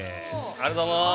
◆ありがとうございます。